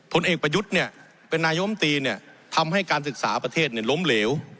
ผลเอกประยุทธเนี่ยเป็นนายอมตีเนี่ยทำให้การศึกษาประเทศเนี่ยล้มเหลว